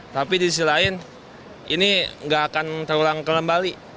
tapi di sisi lain ini nggak akan terulang kembali